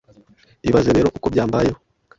Ibaze rero uko byambayeho